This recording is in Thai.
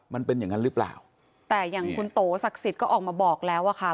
มันเป็นอย่างนั้นหรือเปล่าแต่อย่างคุณโตศักดิ์สิทธิ์ก็ออกมาบอกแล้วอะค่ะ